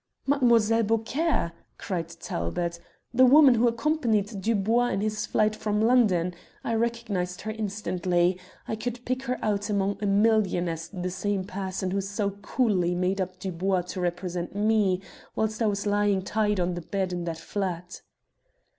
"Mademoiselle Beaucaire," cried Talbot; "the woman who accompanied Dubois in his flight from London. I recognized her instantly. I could pick her out among a million as the same person who so coolly made up Dubois to represent me, whilst I was lying tied on the bed in that flat."